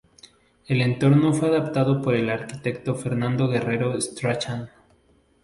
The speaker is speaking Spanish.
El entorno fue adaptado por el arquitecto Fernando Guerrero Strachan.